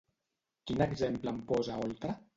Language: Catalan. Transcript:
Quin exemple en posa Oltra?